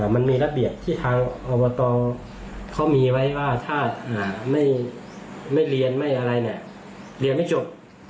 มันมีระเบียบที่ทางอบตเขามีไว้ว่าถ้าไม่เรียนไม่อะไรเนี่ยเรียนไม่จบ